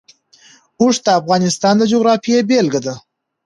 اوښ د افغانستان د جغرافیې بېلګه ده.